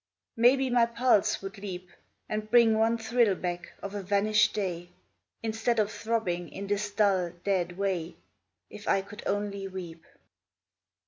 Maybe my pulse would leap, And bring one thrill back, of a vanished day, Instead of throbbing in this dull, dead way, If I could only weep.